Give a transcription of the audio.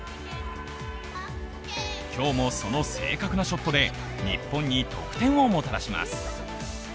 今日も、その正確なショットで日本に得点をもたらします。